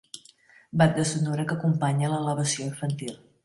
Banda sonora que acompanya l'elevació infantil.